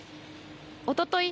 おととい